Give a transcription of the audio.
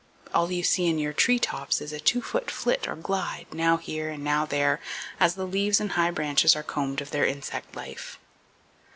All you see in your tree tops is a two foot flit or glide, now here and now there, as the leaves and high branches are combed of their insect life.